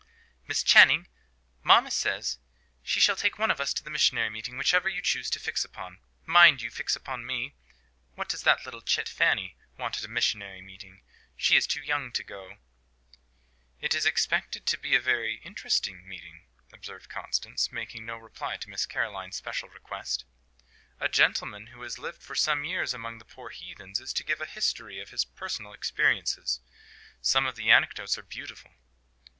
"Miss Channing, mamma says she shall take one of us to the missionary meeting, whichever you choose to fix upon. Mind you fix upon me! What does that little chit, Fanny, want at a missionary meeting? She is too young to go." "It is expected to be a very interesting meeting," observed Constance, making no reply to Miss Caroline's special request. "A gentleman who has lived for some years amongst the poor heathens is to give a history of his personal experiences. Some of the anecdotes are beautiful."